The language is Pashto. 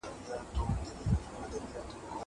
زه مخکي کښېناستل کړي وو.